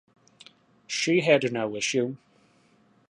She had no issue.